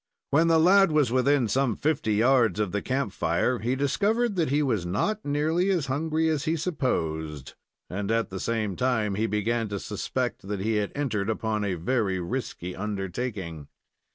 When the lad was within some fifty yards of the camp fire, he discovered that he was not nearly as hungry as he supposed, and, at the same time, he began to suspect that he had entered upon a very risky undertaking.